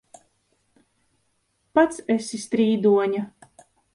Pats esi strīdoņa!